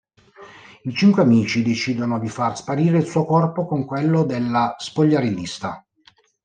I cinque amici decidono di far sparire il suo corpo con quello della spogliarellista.